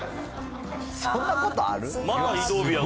そんなことある？